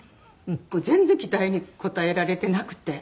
全然期待に応えられてなくて。